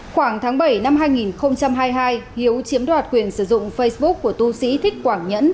khoảng tháng bảy năm hai nghìn hai mươi hai hiếu chiếm đoạt quyền sử dụng facebook của tu sĩ thích quảng nhẫn